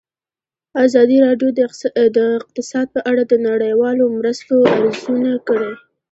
ازادي راډیو د اقتصاد په اړه د نړیوالو مرستو ارزونه کړې.